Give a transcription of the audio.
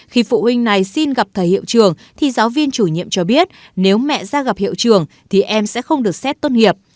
khi phụ huynh này xin gặp thầy hiệu trường thì giáo viên chủ nhiệm cho biết nếu mẹ ra gặp hiệu trường thì em sẽ không được xét tốt nghiệp